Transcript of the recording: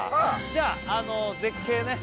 じゃあ絶景ね